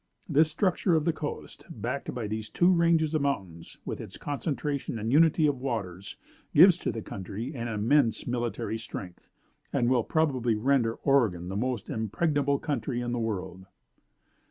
This structure of the coast, backed by these two ranges of mountains, with its concentration and unity of waters, gives to the country an immense military strength, and will probably render Oregon the most impregnable country in the world."